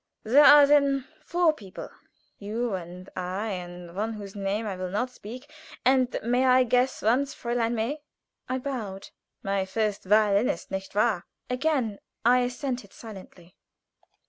There are then four people you and I, and one whose name I will not speak, and may I guess once, Fräulein May?" I bowed. "My first violinist, nicht wahr?" Again I assented silently.